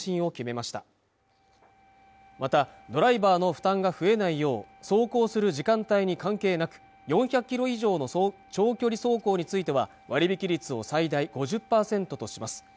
またドライバーの負担が増えないよう走行する時間帯に関係なく４００ｋｍ以上の長距離走行については割引率を最大５０％とします